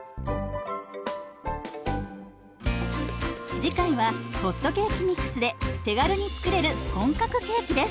次回はホットケーキミックスで手軽に作れる本格ケーキです。